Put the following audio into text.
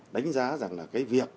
đánh giá rằng là cái việc